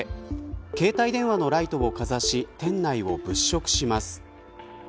携帯電話のライトをかざし店内を物色します。